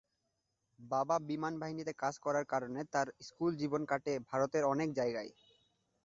বাবা বিমান বাহিনীতে কাজ করার কারণে তার স্কুল জীবন কাটে ভারতের অনেক জায়গায়।